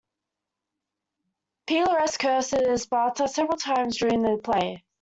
Peleus curses Sparta several times during the play.